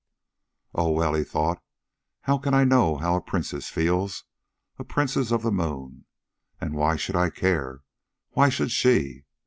"Oh, well," he thought, "how can I know how a princess feels a princess of the moon? And why should I care why should she?